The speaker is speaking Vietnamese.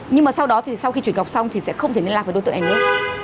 nhưng mà sau đó thì sau khi chuyển cọc xong thì sẽ không thể liên lạc với đối tượng này nữa